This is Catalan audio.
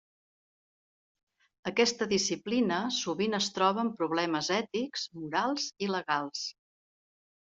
Aquesta disciplina sovint es troba amb problemes ètics, morals i legals.